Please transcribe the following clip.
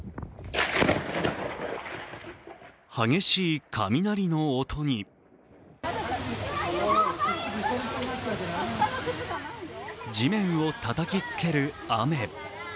激しい雷の音に地面をたたきつける雨。